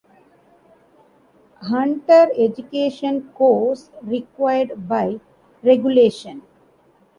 Hunter education course required by regulation.